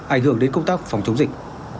ảnh hưởng đến công tác phòng chống dịch